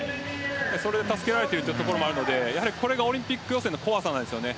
それに助けられているところもあるのでこれがオリンピック予選の怖さですよね。